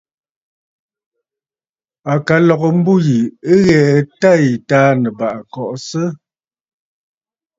À ka lɔ̀gə mbû yì ɨ ghɛ tâ yì Taà Nɨ̀bàʼà kɔʼɔsə.